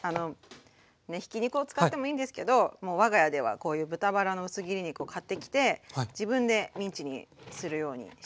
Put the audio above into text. ひき肉を使ってもいいんですけどもう我が家ではこういう豚バラの薄切り肉を買ってきて自分でミンチにするようにしています。